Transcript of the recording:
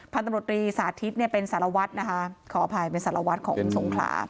พันธุรกิจสาธิตเป็นสารวัตรของอุงสงครา